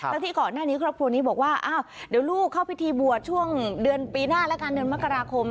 แล้วที่ก่อนหน้านี้ครอบครัวนี้บอกว่าอ้าวเดี๋ยวลูกเข้าพิธีบวชช่วงเดือนปีหน้าแล้วกันเดือนมกราคม